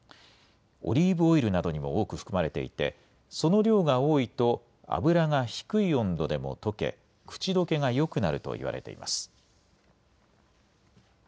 オリーブオイルなどにも多く含まれていて、その量が多いと脂が低い温度でも溶け、口溶けがよくなるといわれています。